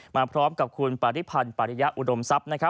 มาพร้อมกับคุณปาริพันธ์ปริยะอุดมทรัพย์